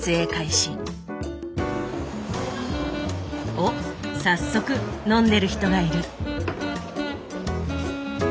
おっ早速飲んでる人がいる。